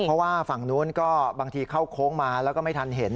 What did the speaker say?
เพราะว่าฝั่งนู้นก็บางทีเข้าโค้งมาแล้วก็ไม่ทันเห็น